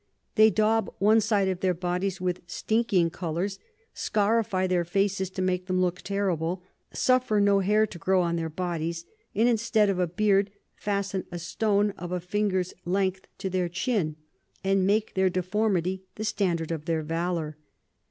They dawb one side of their Bodies with stinking Colours, scarify their Faces to make them look terrible, suffer no Hair to grow on their Bodies; and instead of a Beard fasten a Stone of a finger's length to their Chin, and make their Deformity the Standard of their Valour.